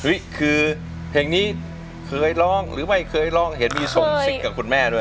คือเพลงนี้เคยร้องหรือไม่เคยร้องเห็นมีทรงซิกกับคุณแม่ด้วย